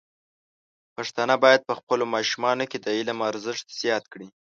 پښتانه بايد په خپلو ماشومانو کې د علم ارزښت زیات کړي.